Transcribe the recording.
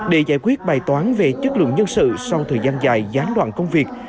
để giải quyết bài toán về chất lượng nhân sự sau thời gian dài gián đoạn công việc